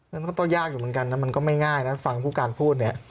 นั้นก็ต้องยากอยู่เหมือนกันนะมันก็ไม่ง่ายนะฟังผู้การพูดเนี่ย